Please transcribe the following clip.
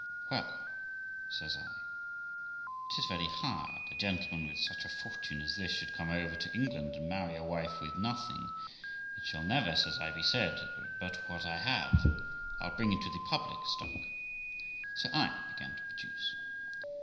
' Well ', says I, ' 'tis very hard a gentleman with such a fortune as this should come over to England, and marry a wife with nothing; it shall never', says I, 'be said but what I have, I'll bring into the public stock '; so I began to produce.